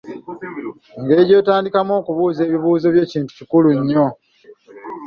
Engeri gy'otandikamu okusabamu ebibuuzo byo kintu kikulu nnyo.